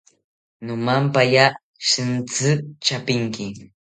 Nomamapaya shintzi tyapinki